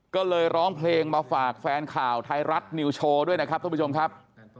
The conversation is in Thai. ก็เลยร้องเพลงมาฝากแฟนข่าวไทยรัฐนิวโชว์ด้วยนะครับท่านผู้ชมครับ